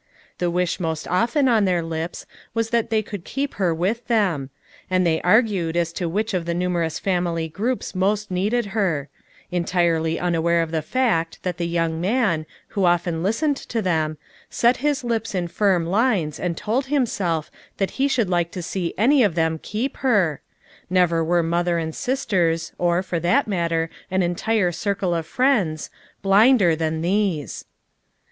The wish most often on their lips was that they could keep her with them; and they argued as to which of the numerous family groups most needed her; entirely unaware of the fact that the young man, who often listened to thern, set his lips in firm lines and told him self that he should like to see any of them keep her! Never were mother and sisters, or, for 330 FOUR MOTHERS AT CHAUTAUQUA 337 that matter, an entire circle of friends, blinder than these.